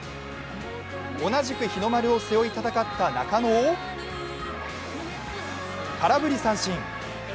同じく日の丸を背負い戦った中野を空振り三振。